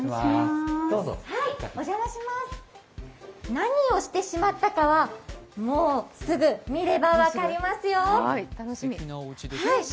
何をしてしまったかは、もうすぐ見れば分かりますよ。